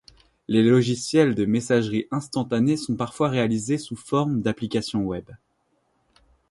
Les logiciels de messagerie instantanée sont parfois réalisés sous forme d'application web.